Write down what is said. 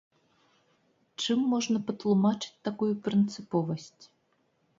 Чым можна патлумачыць такую прынцыповасць?